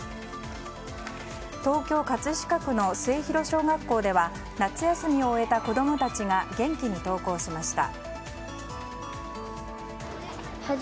東京・葛飾区の末広小学校では夏休みを終えた子供たちが元気に登校しました。